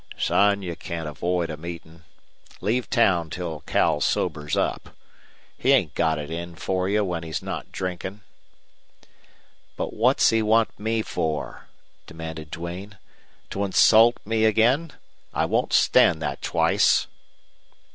"Son, you can't avoid a meetin'. Leave town till Cal sobers up. He ain't got it in for you when he's not drinkin'." "But what's he want me for?" demanded Duane. "To insult me again? I won't stand that twice."